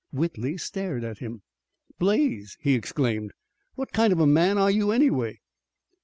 Whitley stared at him. "Blaze," he exclaimed, "what kind of a man are you anyway?"